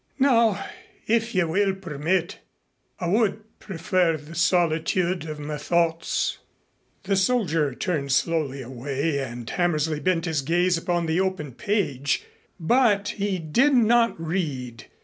"Now, if you will permit, I would prefer the solitude of my thoughts." The soldier turned slowly away and Hammersley bent his gaze upon the open page, but he did not read.